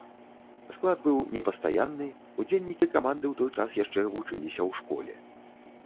Склад быў непастаянны, удзельнікі каманды ў той час яшчэ вучыліся ў школе.